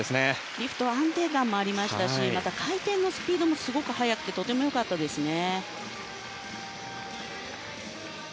リフトは安定感もありましたしまた回転のスピードもすごく速くてとても良かったですね。